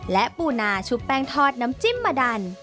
และปูนาชุบแป้งทอดน้ำจิ้มมาดัน